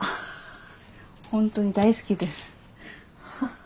本当に大好きです。